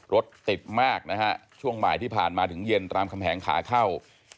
รถติดมากนะฮะช่วงบ่ายที่ผ่านมาถึงเย็นตามคำแหงขาเข้า